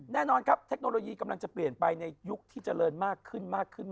แน่นอนครับเทคโนโลยีกำลังจะเปลี่ยนไปในยุคที่เจริญมากขึ้นมากขึ้น